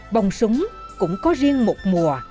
bông súng cũng có riêng một mùa để tiêu diệt đất nước